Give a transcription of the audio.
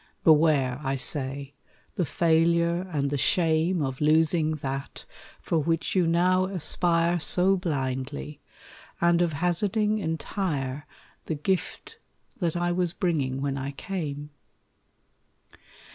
Beware, I say, the failure and the shame Of losing that for which you now aspire So blindly, and of hazarding entire The gift that I was bringing when I came.